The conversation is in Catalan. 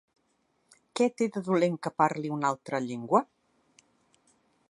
Què té de dolent que parli una altra llengua?